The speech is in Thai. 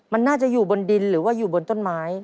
มันน่าจะอยู่บนดินหรือว่าอยู่บนต้นไม้